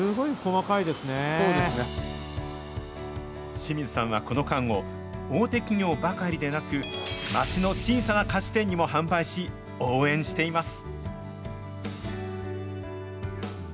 清水さんはこの缶を、大手企業ばかりでなく、町の小さな菓子店にも販売し、応援しています。